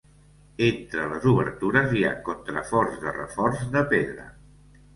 Entre les obertures hi ha contraforts de reforç de pedra.